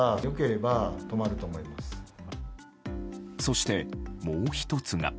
そして、もう１つが。